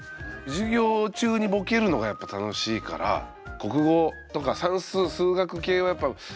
授業中にボケるのがやっぱ楽しいから国語とか算数数学系はやっぱボケやすいんすよね